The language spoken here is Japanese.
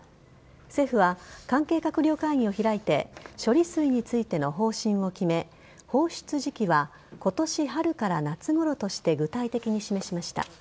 政府は関係閣僚会議を開いて処理水についての方針を決め放出時期は今年春から夏ごろとして具体的に示しました。